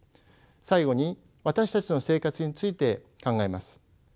最後に私たちの生活について考えます。